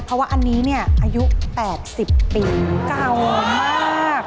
เพราะว่าอันนี้เนี่ยอายุ๘๐ปีเก่ามาก